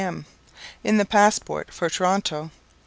M., in the "Passport," for Toronto.